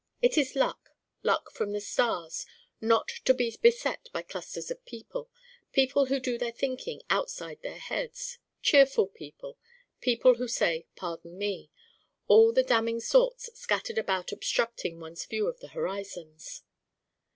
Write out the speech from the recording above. It is luck luck from the stars not to be beset by clusters of people, people who do their thinking outside their heads, 'cheerful' people, people who say 'pardon me': all the damning sorts scattered about obstructing one's view of the horizons.